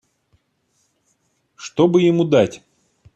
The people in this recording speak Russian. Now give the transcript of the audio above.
Что бы ему дать?